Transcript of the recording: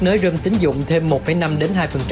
nới râm tính dụng thêm một năm đến hai